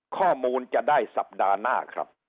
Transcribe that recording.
ข้อมูลจะได้สัปดาห์หน้าครับ